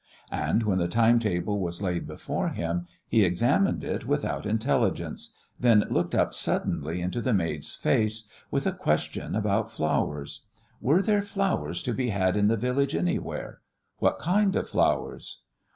And, when the time table was laid before him, he examined it without intelligence, then looked up suddenly into the maid's face with a question about flowers. Were there flowers to be had in the village anywhere? What kind of flowers?